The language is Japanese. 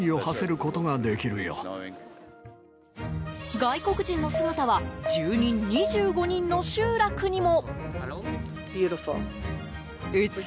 外国人の姿は住民２５人の集落にも。